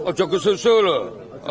oh jawa susu loh